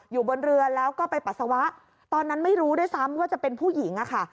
อยู่บนเรือแล้วก็ไปปัสสาวะตอนนั้นไม่รู้ด้วยซ้ำว่าจะเป็นผู้หญิงอะค่ะ